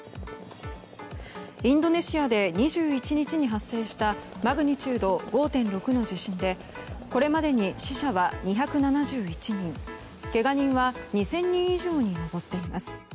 インドネシアで２２日に発生したマグニチュード５．６の地震でこれまでに死者は２７１人、けが人は２０００人以上に上っています。